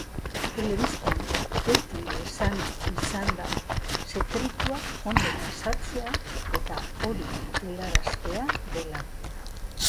Telebistan beti esan izan da sekretua ondo pasatzea eta hori helaraztea dela.